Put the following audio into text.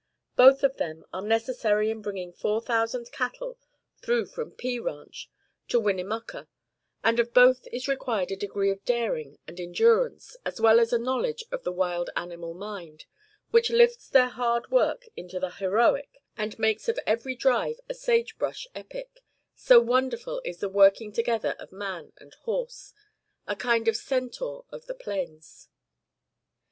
Both of them are necessary in bringing four thousand cattle through from P Ranch to Winnemucca; and of both is required a degree of daring and endurance, as well as a knowledge of the wild animal mind, which lifts their hard work into the heroic, and makes of every drive a sage brush epic so wonderful is the working together of man and horse, a kind of centaur of the plains.